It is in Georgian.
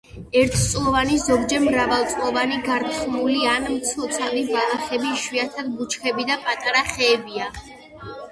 ერთწლოვანი, ზოგჯერ მრავალწლოვანი გართხმული ან მცოცავი ბალახები, იშვიათად ბუჩქები და პატარა ხეებია.